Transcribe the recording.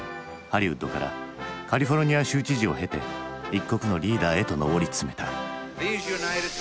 ハリウッドからカリフォルニア州知事を経て一国のリーダーへと上り詰めた。